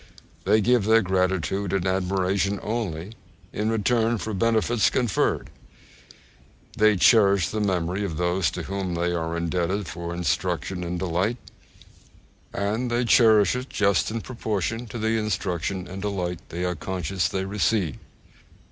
They give their gratitude and admiration only in return for benefits conferred. They cherish the memory of those to whom they are indebted for instruction and delight; and they cherish it just in proportion to the instruction and delight they are conscious they receive.